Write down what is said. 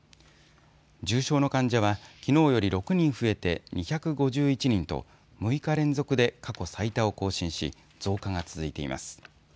重症の患者はきのうより６人増えて２５１人と６日連続で過去最多を更新し増加が続いています。